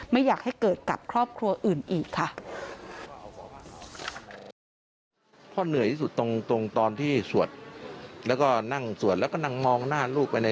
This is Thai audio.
ไม่อยากให้เกิดกับครอบครัวอื่นอีกค่ะ